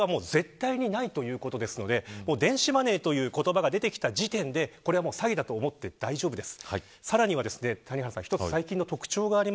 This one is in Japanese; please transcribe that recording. これはもう絶対にないということですので電子マネーという言葉が出てきた時点で、これは詐欺だと思って大丈夫です。